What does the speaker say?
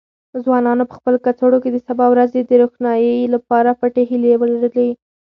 ځوانانو په خپلو کڅوړو کې د سبا ورځې د روښنايي لپاره پټې هیلې وړلې.